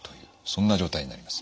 そんな状態になります。